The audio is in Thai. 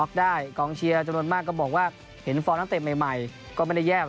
ไม่ยอดท้อนนะครับ